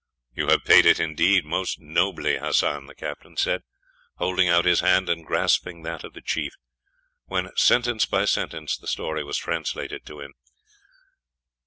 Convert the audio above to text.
"You have paid it indeed most nobly, Hassan," the captain said, holding out his hand, and grasping that of the chief, when, sentence by sentence, the story was translated to him.